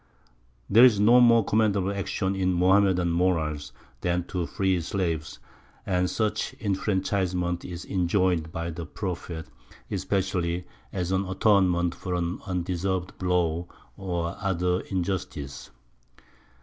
There is no more commendable action in Mohammedan morals than to free slaves, and such enfranchisement is enjoined by the Prophet especially as an atonement for an undeserved blow or other injustice.